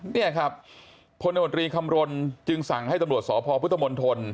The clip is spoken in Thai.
เนี่ยครับผลโดยมดรีคำรวณจึงสั่งให้ตำรวจสพท